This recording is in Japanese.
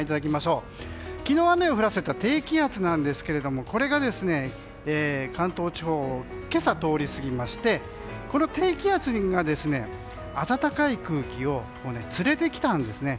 昨日、雨を降らせた低気圧なんですけどこれが関東地方を今朝通り過ぎましてこの低気圧が暖かい空気を連れてきたんですね。